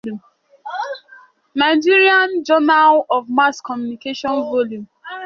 Nigerian Journal of Mass Communication"," Vol.